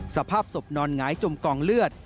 สภาพศพนอนหงายจมกองเลือด